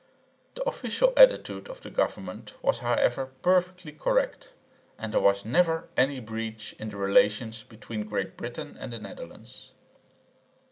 The official attitude of the government was however perfectly correct, and there was never any breach in the relations between Great Britain and the Netherlands.